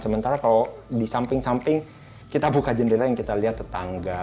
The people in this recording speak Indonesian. sementara kalau di samping samping kita buka jendela yang kita lihat tetangga